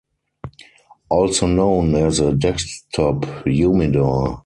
Also known as a "desktop humidor".